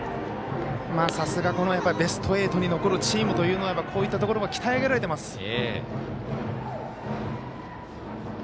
さすがベスト８に残るチームというのはこういったところが鍛え上げられてます。